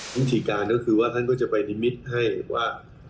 วิธีการก็คือว่าท่านก็จะไปนิมิตรให้หรือว่า